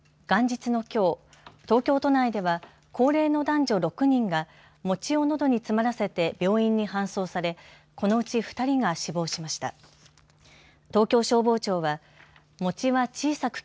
元日のきょう東京都内では高齢の男女６人が餅をのどに詰まらせて病院に搬送されこのうち２人が死亡しました。